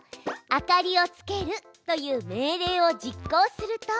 「明かりをつける」という命令を実行すると。